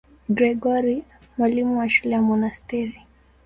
Gregori, mwalimu wa shule ya monasteri.